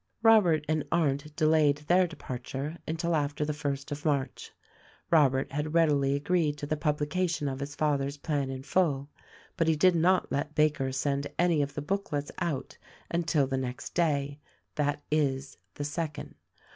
Robert and Arndt delayed their departure until after the first of March. Robert had readily agreed to the publication of his father's plan in full ; but he did not let Baker send any of the booklets out until the next day ; that is, the second.